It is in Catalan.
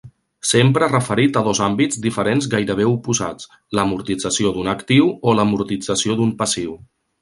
S'empra referit a dos àmbits diferents gairebé oposats: l'amortització d'un actiu o l'amortització d'un passiu.